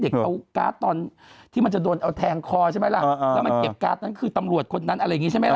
เอาการ์ดตอนที่มันจะโดนเอาแทงคอใช่ไหมล่ะแล้วมันเก็บการ์ดนั้นคือตำรวจคนนั้นอะไรอย่างนี้ใช่ไหมล่ะ